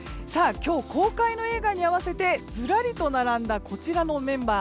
今日、公開の映画に合わせてずらりと並んだこちらのメンバー。